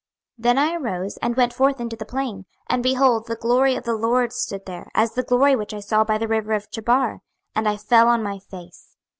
26:003:023 Then I arose, and went forth into the plain: and, behold, the glory of the LORD stood there, as the glory which I saw by the river of Chebar: and I fell on my face.